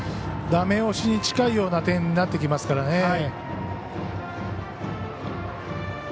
ダメ押しに近いような点になってきますからね。